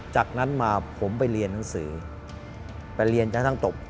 จากนั้นมาผมไปเรียนหนังสือไปเรียนจนทั้งตบ